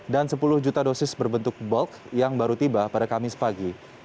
dan sepuluh juta dosis berbentuk bulk yang baru tiba pada kamis pagi